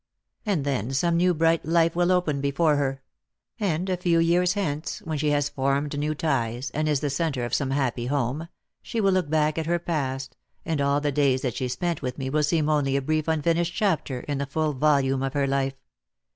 And then some new bright life will open before her ; and a few years hence, when she has formed new ties, and is the centre of some happy home, she will look back at her past, and all the days that she spent with me will seem only a brief unfinished chapter in the full volume of her life.